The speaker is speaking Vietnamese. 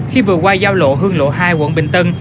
khi vừa qua giao lộ hương lộ hai quận bình tân